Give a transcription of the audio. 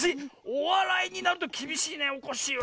おわらいになるときびしいねおこっしぃは。